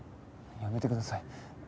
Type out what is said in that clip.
やめてください。